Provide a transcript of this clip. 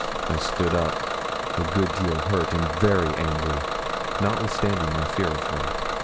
I stood up, a good deal hurt, and very angry, notwithstanding my fear of her.